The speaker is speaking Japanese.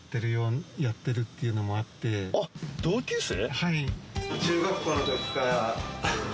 はい。